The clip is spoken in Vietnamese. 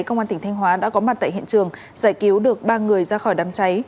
công an tỉnh thanh hóa đã có mặt tại hiện trường giải cứu được ba người ra khỏi đám cháy